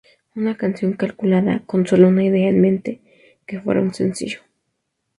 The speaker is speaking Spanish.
Una canción calculada, con sólo una idea en mente: que fuera un sencillo.